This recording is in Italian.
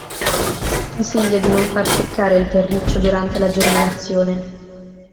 Si consiglia di non far seccare il terriccio durante la germinazione.